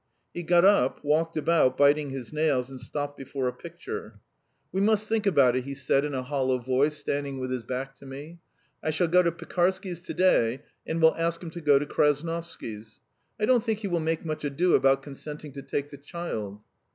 He got up, walked about, biting his nails, and stopped before a picture. "We must think about it," he said in a hollow voice, standing with his back to me. "I shall go to Pekarsky's to day and will ask him to go to Krasnovsky's. I don't think he will make much ado about consenting to take the child."